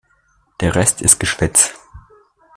Der Rest ist Geschwätz.